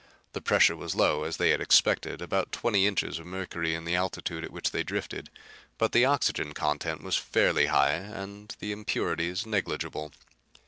The pressure was low, as they had expected; about twenty inches of mercury in the altitude at which they drifted. But the oxygen content was fairly high and the impurities negligible.